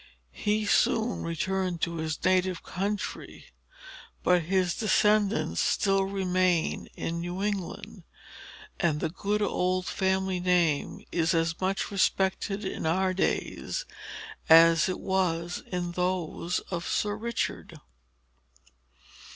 He soon returned to his native country. But his descendants still remain in New England; and the good old family name is as much respected in our days as it was in those of Sir Richard.